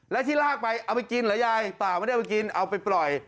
แล้วที่ลากไปเอาไปกินเหรอยายเปล่าไม่ได้เอาไปกินเอาไปปล่อย